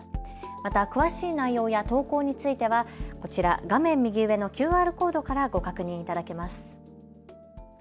また詳しい内容や投稿についてはこちら、画面右上のＱＲコードからご確認いただけます。